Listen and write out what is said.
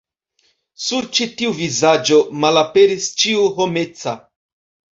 Sur ĉi tiu vizaĝo malaperis ĉio homeca.